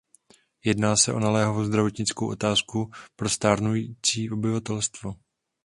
Jedná se o naléhavou zdravotnickou otázku pro stárnoucí obyvatelstvo.